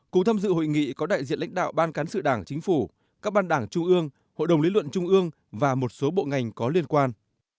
cùng tham dự hội nghị có đại diện lãnh đạo ban cán sự đảng chính phủ các ban đảng trung ương hội đồng lý luận trung ương và một số bộ ngành có liên quan